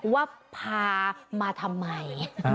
ว่าพามาทำไม